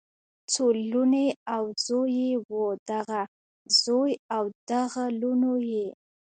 څو لوڼې او زوي یې وو دغه زوي او دغه لوڼو یی